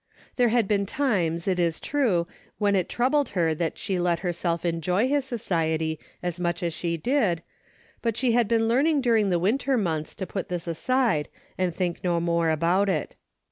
There had been times, it is true, when it troub led her that she let herself enjoy his society as much as she did, but she had been learning during the winter months to put this aside and think no more about it.